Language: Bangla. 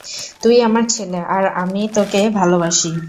তুই আমার ছেলে, আর আমি তোকে ভালোবাসি।